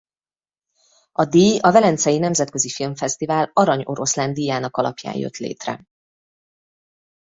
A díj a Velencei Nemzetközi Filmfesztivál Arany Oroszlán díjának alapján jött létre.